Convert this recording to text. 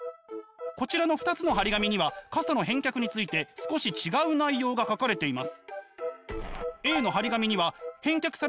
こちらの２つの貼り紙には傘の返却について少し違う内容が書かれています。